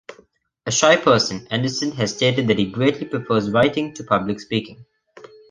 A shy person, Anderson has stated that he greatly prefers writing to public speaking.